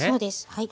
はい。